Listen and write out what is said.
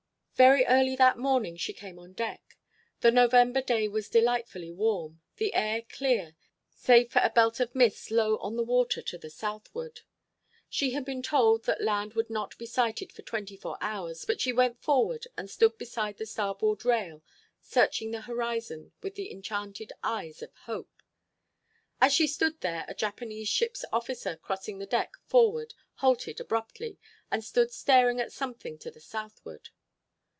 Very early that morning she came on deck. The November day was delightfully warm, the air clear save for a belt of mist low on the water to the southward. She had been told that land would not be sighted for twenty four hours, but she went forward and stood beside the starboard rail, searching the horizon with the enchanted eyes of hope. As she stood there a Japanese ship's officer crossing the deck, forward, halted abruptly and stood staring at something to the southward.